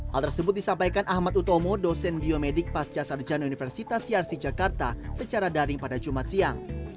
hal tersebut disampaikan ahmad utomo dosen biomedik pasca sarjana universitas yarsi jakarta secara daring pada jumat siang